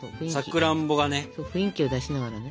雰囲気を出しながらね。